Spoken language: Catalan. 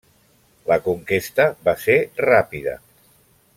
La conquesta va ser ràpida.